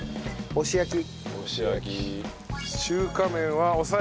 押し焼き。